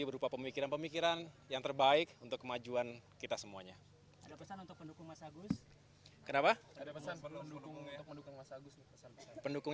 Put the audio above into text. berupa pemikiran pemikiran yang terbaik untuk kemajuan kita semuanya kenapa pendukung pendukung